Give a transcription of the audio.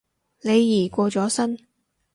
李怡過咗身